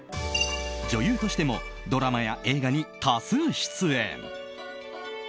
女優としてもドラマや映画に多数出演。